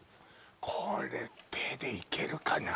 これ手でいけるかな？